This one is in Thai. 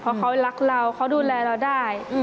เพราะเขารักเราเขาดูแลเราได้